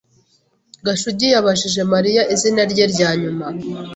Gashugi yabajije Mariya izina rye ryanyuma.